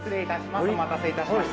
お待たせいたしました。